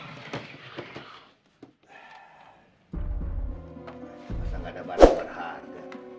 nggak ada barang barang